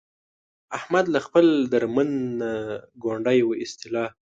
احمد له خپل درمند نه ګونډی و ایستلا.